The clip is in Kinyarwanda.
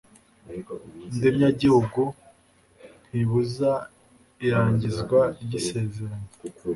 ndemyagihugu ntibuza irangizwa ry isezeranya